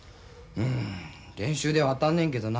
うん練習では当たんねんけどな。